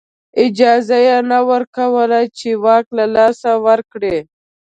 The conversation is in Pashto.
اجازه یې نه ورکوله چې واک له لاسه ورکړي.